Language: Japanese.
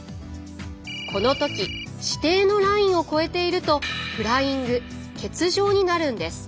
この時指定のラインを越えているとフライング欠場になるんです。